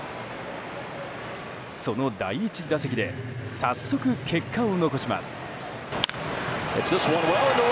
その第１打席で早速、結果を残します。